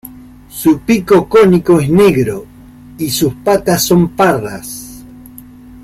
Su pico cónico es negro y sus son patas pardas.